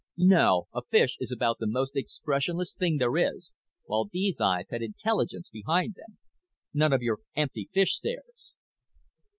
"No. A fish is about the most expressionless thing there is, while these eyes had intelligence behind them. None of your empty, fishy stares."